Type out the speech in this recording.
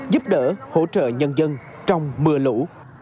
giúp đỡ hỗ trợ nhân dân trong mưa lũ